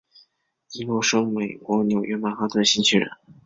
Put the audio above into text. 伊罗生美国纽约曼哈顿西区人。